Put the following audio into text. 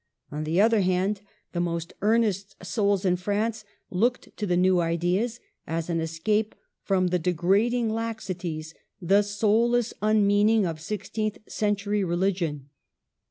On the other hand, the most earnest souls in France looked to the New Ideas as an escape from the degrading laxities, the soulless unmeaning of sixteenth century religion.